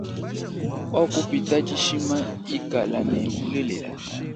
Wakupita dishima ikala ne bulela.